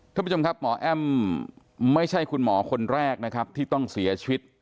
ท่านผู้ชมครับหมอแอ้มไม่ใช่คุณหมอคนแรกนะครับที่ต้องเสียชีวิต